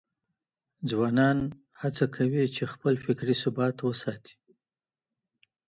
ځوانان هڅه کوي چي خپل فکري ثبات وساتي.